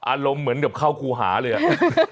อารมณ์เหมือนกับเข้าครูหาเลยอ่ะ